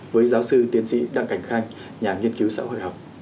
với giáo sư tiến sĩ đặng cảnh khanh nhà nghiên cứu xã hội học